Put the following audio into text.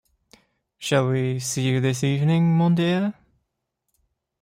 Shall we see you this evening, mon dear?